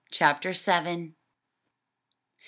Chapter Seventh.